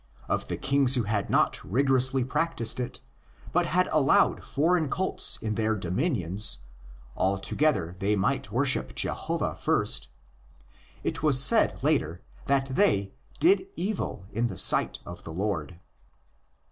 Of the kings who had not rigorously practised it, but had allowed foreign cults in their dominions (although they might worship Jehovah first), it was said later that they '' did evil in the sight of the Lord."